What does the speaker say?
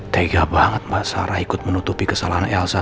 tega banget mbak sarah ikut menutupi kesalahan elsa